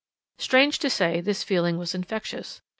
Strange to say, this feeling was infectious.